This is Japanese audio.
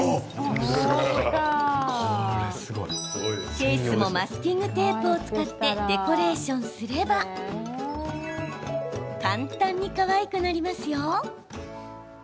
ケースも、マスキングテープを使ってデコレーションすれば簡単に、かわいくなりますよ。